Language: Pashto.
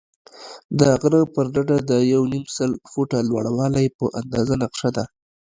د غره پر ډډه د یو نیم سل فوټه لوړوالی په اندازه نقشه ده.